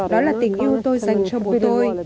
đó là tình yêu tôi dành cho bố tôi